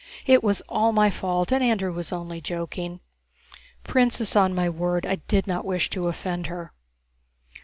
"It was all my fault, and Andrew was only joking." * "Princess, on my word, I did not wish to offend her."